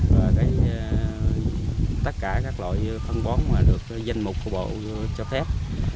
và tất cả các loại phân bón mà được danh mục của bộ cho phép